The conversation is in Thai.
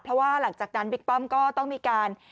เพราะว่าหลังจากนั้นบิ๊กป้อมก็ต้องมีการ